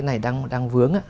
cái này đang vướng